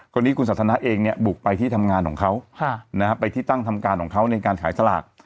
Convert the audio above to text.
คนนี้คุณสันทนาเองเนี่ยบุกไปที่ทำงานของเขาไปที่ตั้งทำการของเขาในการขายสลาก